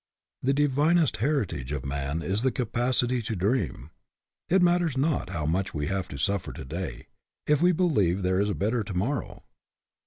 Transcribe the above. The divinest heritage of man is the capacity to dream. It matters not how much we have to suffer to day, if we believe there is a better to morrow.